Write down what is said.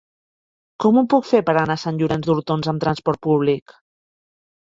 Com ho puc fer per anar a Sant Llorenç d'Hortons amb trasport públic?